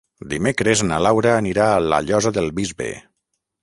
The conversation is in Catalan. Dimecres na Laura anirà a la Llosa del Bisbe.